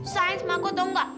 sayang sama aku tau gak